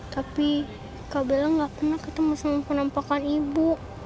tapi kak bilang gak pernah ketemu sama penampakan ibu